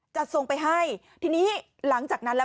จะส่งไปให้ทีนี้หลังจากนั้นแล้ว